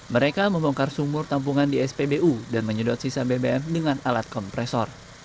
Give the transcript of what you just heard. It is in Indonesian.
mereka membongkar sumur tampungan di spbu dan menyedot sisa bbm dengan alat kompresor